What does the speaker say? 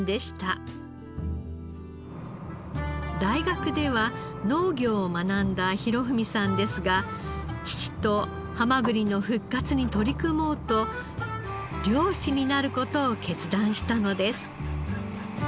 大学では農業を学んだ博史さんですが父とハマグリの復活に取り組もうと漁師になる事を決断したのです。